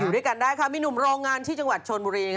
ด้วยกันได้ค่ะมีหนุ่มโรงงานที่จังหวัดชนบุรี